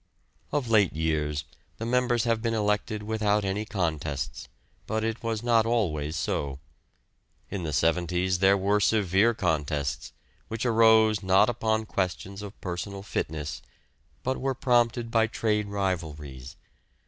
Of late years the members have been elected without any contests, but it was not always so. In the 'seventies there were severe contests, which arose not upon questions of personal fitness, but were prompted by trade rivalries.